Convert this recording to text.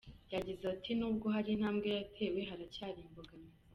Yagize ati “Nubwo hari intambwe yatewe, haracyari imbogamizi.